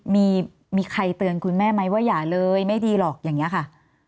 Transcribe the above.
มีใครเตือนคุณแม่ไหมว่าอย่าเลยไม่ดีหรอกอย่างนี้ค่ะ